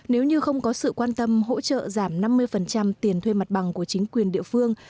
nếu như không có sự quan tâm hỗ trợ giảm năm mươi tiền thuê mặt bằng của chính quyền địa phương